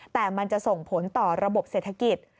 แต่มันจะส่งผลต่อระบบเศรษฐกิจ